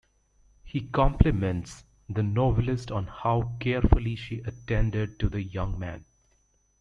He compliments the novelist on how carefully she attended to the young man.